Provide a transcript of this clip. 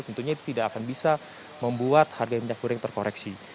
tentunya itu tidak akan bisa membuat harga minyak goreng terkoreksi